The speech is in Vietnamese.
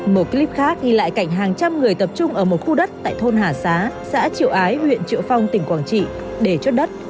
một clip khác ghi lại cảnh hàng trăm người tập trung ở một khu đất tại thôn hà xá xã triệu ái huyện triệu phong tỉnh quảng trị để chốt đất